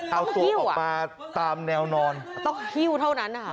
เอาตัวออกมาตามแนวนอนต้องหิ้วเท่านั้นนะคะ